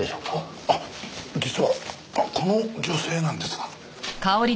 あっ実はこの女性なんですが。